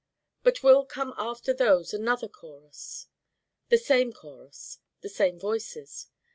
But will come after those another chorus: the same chorus: the same Voices.